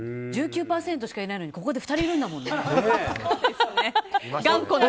１９％しかいないのにここに２人もいるんだもんね。